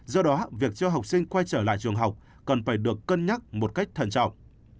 do đó việc cho học sinh quay trở lại trường học cần phải được cân nhắc một cách thần trọng